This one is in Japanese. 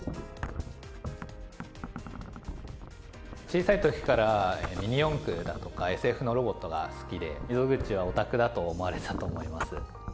小さい時からミニ四駆だとかＳＦのロボットが好きで溝口はオタクだと思われていたと思います。